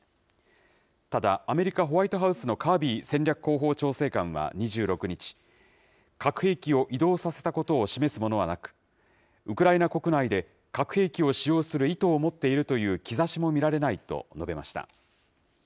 ただ、アメリカ、ホワイトハウスのカービー戦略広報調整官は２６日、核兵器を移動させたことを示すものはなく、ウクライナ国内で核兵器を使用する意図を持っているという兆しも見られないと述べました。